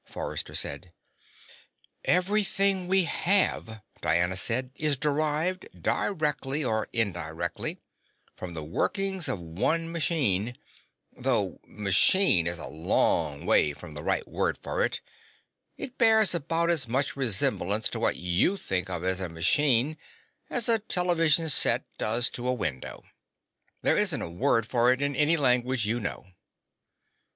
Forrester said. "Everything we have," Diana said, "is derived, directly or indirectly, from the workings of one machine. Though 'machine' is a long way from the right word for it it bears about as much resemblance to what you think of as a machine as a television set does to a window. There just isn't a word for it in any language you know."